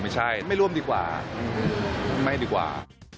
ไม่ร่วมดีกว่าไม่ดีกว่า